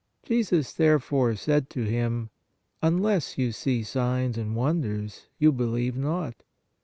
Jesus therefore said to him: Unless you see signs and wonders, you believe not.